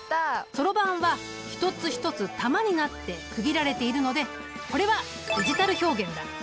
そろばんは一つ一つ珠になって区切られているのでこれはデジタル表現だ。